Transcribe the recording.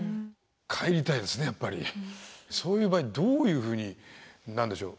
そういう場合どういうふうに何でしょう？